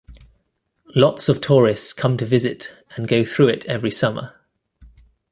Lots of tourists come to visit and go through it every summer.